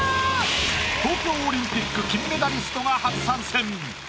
東京オリンピック金メダリストが初参戦。